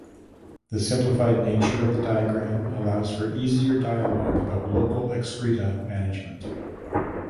The simplified nature of the diagram allows for easier dialog about local excreta management.